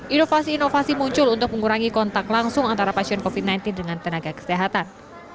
inovasi inovasi muncul untuk mengurangi kontak langsung antara pasien covid sembilan belas dengan tenaga kesehatan